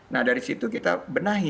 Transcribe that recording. nah dari situ kita benahi dengan pasokan